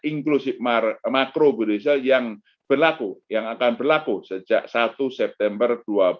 inklusif makro indonesia yang berlaku yang akan berlaku sejak satu september dua ribu dua puluh